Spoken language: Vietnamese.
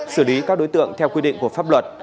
xử lý các đối tượng theo quy định của pháp luật